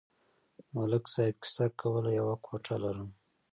ملک صاحب کیسه کوله: یوه کوټه لرم.